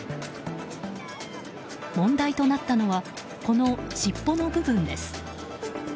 問題となったのはこの尻尾の部分です。